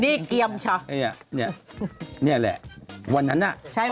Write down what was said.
เนี่ยแหละวันนั้น